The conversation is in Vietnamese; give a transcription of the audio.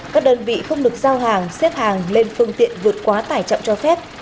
các đơn vị không được giao hàng xếp hàng lên phương tiện vượt quá tải trọng cho phép